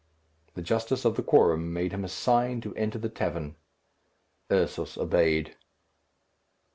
The justice of the quorum made him a sign to enter the tavern. Ursus obeyed.